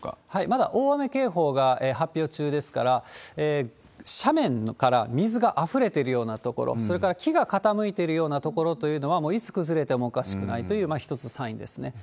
まだ大雨警報が発表中ですから、斜面から水があふれているような所、それから木が傾いているような所というのは、もういつ崩れてもおかしくないという一つサインですね。